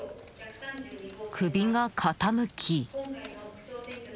首が傾き。